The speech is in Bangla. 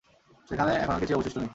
সেখানে এখন আর কিছুই অবশিষ্ট নেই!